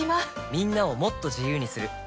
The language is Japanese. みんなをもっと自由にする「三菱冷蔵庫」